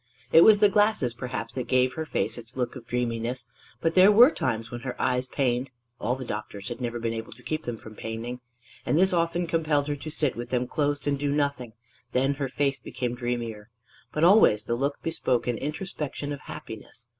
It was the glasses perhaps that gave to her face its look of dreaminess. But there were times when her eyes pained. (All the doctors had never been able to keep them from paining.) And this often compelled her to sit with them closed and do nothing; then her face became dreamier. But always the look bespoke an introspection of happiness.